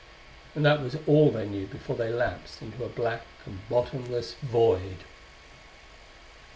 And that was all they knew before they lapsed into a black and bottomless void....